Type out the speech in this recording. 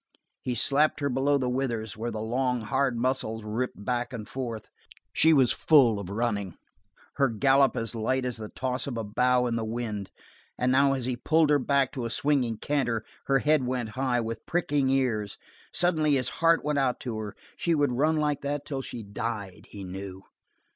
He slapped her below the withers, where the long, hard muscles rippled back and forth. She was full of running, her gallop as light as the toss of a bough in the wind, and now as he pulled her back to a swinging canter her head went high, with pricking ears. Suddenly his heart went out to her; she would run like that till she died, he knew.